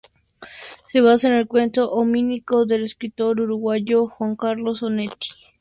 Se basa en el cuento homónimo del escritor uruguayo Juan Carlos Onetti.